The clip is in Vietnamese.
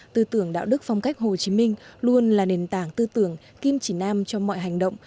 tư tưởng đạo đức phong cách hồ chí minh luôn là nền tảng tư tưởng kim chỉ nam cho mọi hành động